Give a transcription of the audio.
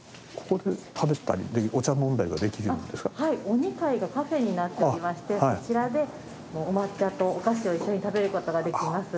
お二階がカフェになっておりましてそちらでお抹茶とお菓子を一緒に食べる事ができます。